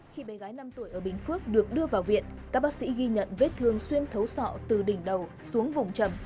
khi bé gái năm tuổi ở bình phước được đưa vào viện các bác sĩ ghi nhận vết thương thấu sọ từ đỉnh đầu xuống vùng trầm